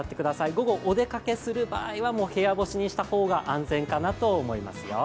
午後お出かけする場合は部屋干しにしが方が安全かなと思います。